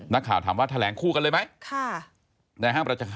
นักข่าวถามว่าแถลงคู่กันเลยไหม